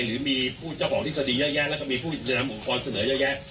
หรือมีผู้เจ้าของทฤษฎีเยอะแยะแล้วก็มีผู้เสนอองค์กรเสนอเยอะแยะ